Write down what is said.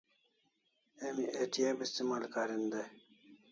Emi ATM istimal karin dai